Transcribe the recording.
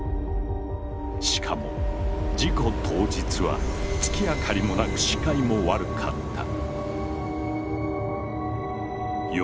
しかも事故当日は月明かりもなく視界も悪かった。